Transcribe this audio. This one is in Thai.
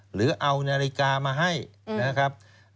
หรือเอานาฬิกามาให้นะครับ